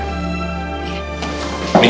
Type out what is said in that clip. kamu gak perlu anterin dia